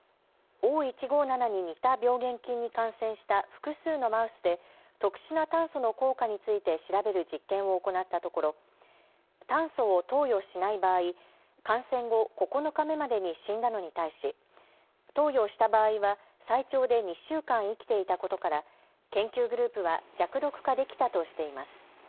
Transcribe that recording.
Ｏ１５７に似た病原菌に感染した複数のマウスで特殊な炭素の効果について調べる実験を行ったところ、炭素を投与しない場合、感染後、９日目までに死んだのに対し投与した場合は最長で２週間生きていたことから研究グループは弱毒化できたとしています。